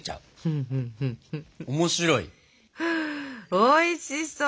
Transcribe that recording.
おいしそう！